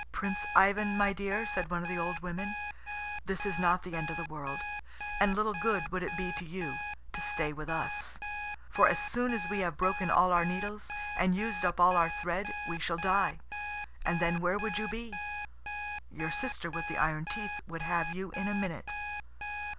"Prince Ivan, my dear," said one of the old women, "this is not the end of the world, and little good would it be to you to stay with us. For as soon as we have broken all our needles and used up all our thread we shall die, and then where would you be? Your sister with the iron teeth would have you in a minute."